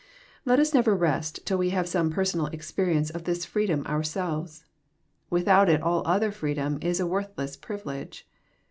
Let us never rest till we have some personal experience of this freedom ourselves. Without it all other freedom is a worthless privilege.